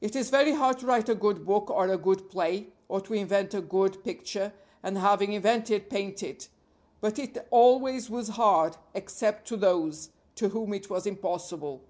It is very hard to write a good book or a good play, or to invent a good picture, and having invented paint it. But it always was hard, except to those to whom it was impossible.